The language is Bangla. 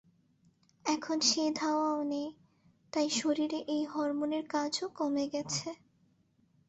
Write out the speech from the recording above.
এখন সেই ধাওয়াও নেই, তাই শরীরে এই হরমোনের কাজও কমে গেছে।